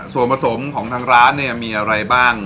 ส่วนผสมของทางร้านเนี่ยมีอะไรบ้าง